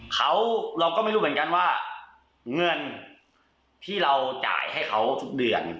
เขาเราก็ไม่รู้เหมือนกันว่าเงินที่เราจ่ายให้เขาทุกเดือน